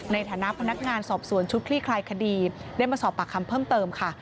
ในฐานะพนักงานสอบสวนชุดคลี่คลายคดีได้มาสอบปากคำเพิ่มเติมค่ะ